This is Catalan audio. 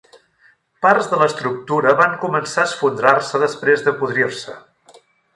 Parts de l'estructura van començar a esfondrar-se després de podrir-se.